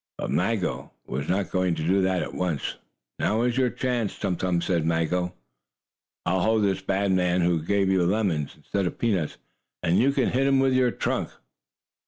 But Maggo was not going to do that at once. "Now is your chance, Tum Tum," said Maggo. "I'll hold this bad man, who gave you lemons instead of peanuts, and you can hit him with your trunk."